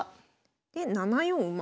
で７四馬。